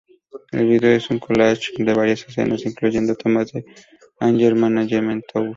El video es un "collage" de varias escenas, incluyendo tomas del Anger Management Tour.